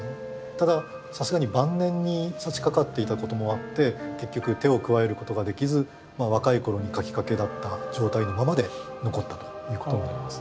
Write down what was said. たださすがに晩年にさしかかっていたこともあって結局手を加えることができず若い頃に描きかけだった状態のままで残ったということになります。